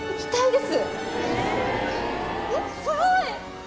えっすごい！